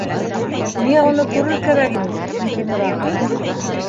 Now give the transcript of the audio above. Миңә уны күрер кәрәк ине, Сынтимер ағай.